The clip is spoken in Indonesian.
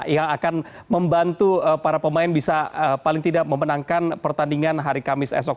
yang akan membantu para pemain bisa paling tidak memenangkan pertandingan hari kamis esok